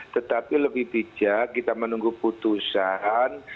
tetapi lebih bijak kita menunggu putusan